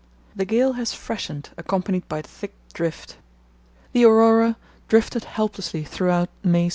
—The gale has freshened, accompanied by thick drift." The Aurora drifted helplessly throughout May 7.